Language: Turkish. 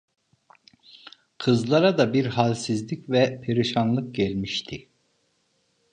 Kızlara da bir halsizlik ve perişanlık gelmişti.